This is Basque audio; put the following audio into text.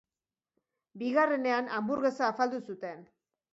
Bigarrenean hanburgesa afaldu zuten.